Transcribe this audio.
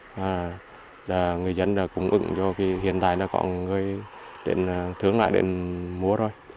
và người dân cũng ứng cho hiện tại có người thướng lại để mua rồi